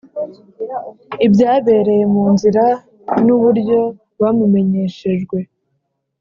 ibyabereye mu nzira n uburyo bamumenyeshejwe